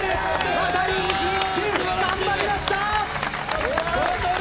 ワタリ１１９、頑張りました！